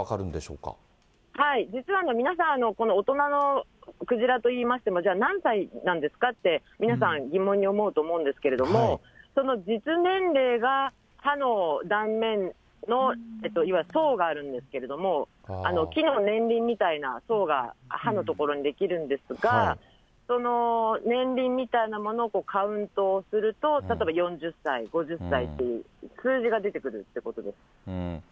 実は皆さん、この大人のクジラといいましても、じゃあ、何歳なんですかって、皆さん疑問に思うと思うんですけれども、その実年齢が歯の断面の層があるんですけれども、木の年輪みたいな層が歯のところに出来るんですが、その年輪みたいなものをカウントすると、例えば４０歳、５０歳という数字が出てくるということです。